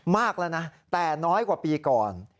มากแล้วนะแต่น้อยกว่าปีก่อน